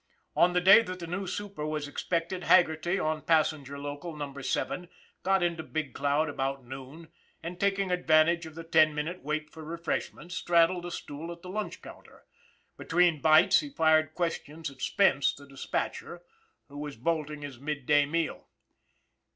On the day that the new super was expected, Haggerty, on passenger local Number Seven, got into Big Cloud about noon, and, taking advantage of the ten minute wait for refreshments, straddled a stool at the lunch counter. Between bites, he fired questions at Spence the dispatcher, who was bolting his mid day meal.